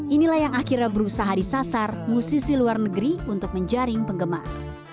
inilah yang akhirnya berusaha disasar musisi luar negeri untuk menjaring penggemar